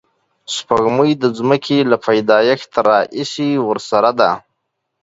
سپوږمۍ د ځمکې له پیدایښت راهیسې ورسره ده